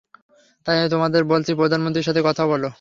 তাই তোমাকে বলছি, প্রধানমন্ত্রীর সাথে কথা বলো।